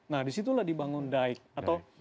nah disitulah dibangun daik atau